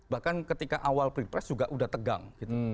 bahkan ketika awal pre press juga udah tegang